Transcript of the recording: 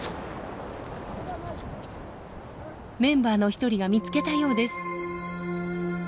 メンバーの１人が見つけたようです。